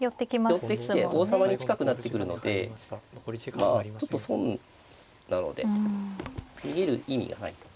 寄ってきて王様に近くなってくるでまあちょっと損なので逃げる意味がない。